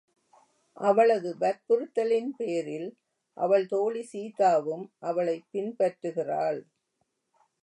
அவளது வற்புறுத்தலின் பேரில், அவள் தோழி சீதாவும் அவளைப் பின்பற்றுகிறாள்.